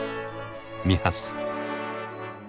ミハス。